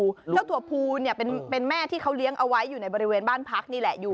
เจ้าถั่วภูเนี่ยเป็นแม่ที่เขาเลี้ยงเอาไว้อยู่ในบริเวณบ้านพักนี่แหละอยู่